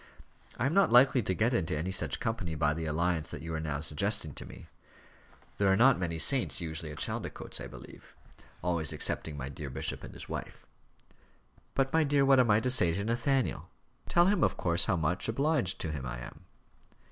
"I am not likely to get into any such company by the alliance that you are now suggesting to me. There are not many saints usually at Chaldicotes, I believe; always excepting my dear bishop and his wife." "But, my dear, what am I to say to Nathaniel?" "Tell him, of course, how much obliged to him I am."